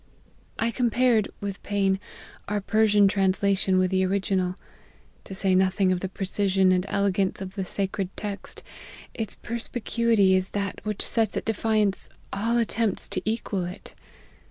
" I compared, with pain, our Persian translation with the original ; to say nothing of the precision and elegance of the sacred text, its perspicuity is that which sets at defiance all attempts to equal it."